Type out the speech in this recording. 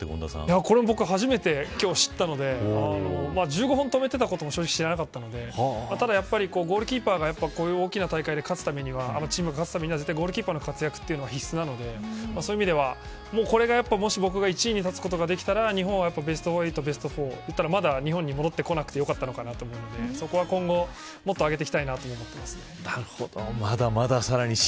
僕、これ初めて知ったので１５本、止めていたことも知らなかったのでただゴールキーパーが大きな大会で勝つためにはチームが勝つことができればゴールキーパーの活躍が必須なのでそういう意味では、これがやっぱり、もし僕が１位に立つことができたら日本はベスト８、ベスト４日本に戻ってこなくて良かったのかなと思うのでそこは今後、もっと上げていきたいなと思いますね。